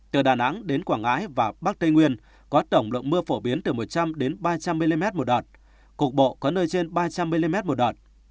từ đà nẵng đến quảng ngãi và bắc tây nguyên có tổng lượng mưa phổ biến từ một trăm linh ba trăm linh mm một đợt cục bộ có nơi trên ba trăm linh mm một đợt